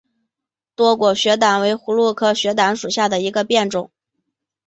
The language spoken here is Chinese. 多果雪胆为葫芦科雪胆属下的一个变种。